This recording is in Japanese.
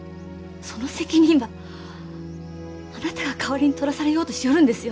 その責任ばあなたが代わりにとらされようとしよるんですよ。